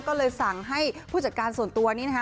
ก็เลยสั่งให้ผู้จัดการส่วนตัวนี้นะคะ